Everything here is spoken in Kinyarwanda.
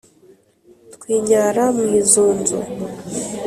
twinyara mw’izunzu